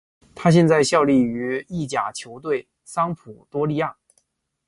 他现在效力于意甲球队桑普多利亚。